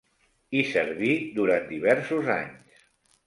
Hi serví durant diversos anys.